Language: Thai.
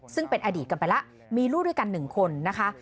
ซึ่งเป็นอดีตกันไปแล้วมีลูกด้วยกัน๑คนนะคะ